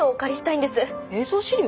映像資料？